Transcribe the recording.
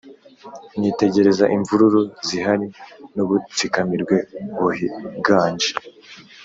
mwitegereze imvururu zihari n’ubutsikamirwe buhiganje.